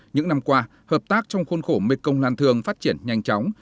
những năm qua hợp tác trong khuôn khổ mekong lan thương phát triển nhanh chóng